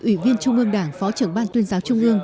ủy viên trung ương đảng phó trưởng ban tuyên giáo trung ương